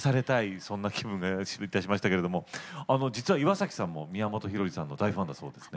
そんな気分がいたしましたけど実は岩崎さんも宮本浩次さんの大ファンだそうですね。